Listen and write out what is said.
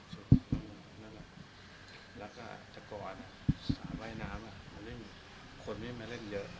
ชุดนั่นแหละแล้วก็จากก่อนอ่ะสระว่ายน้ำอ่ะคนไม่มาเล่นเยอะ